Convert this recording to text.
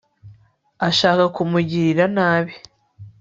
ashaka kumugirira nabi